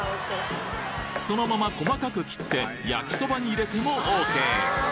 そのまま細かく切って焼きそばに入れてもＯＫ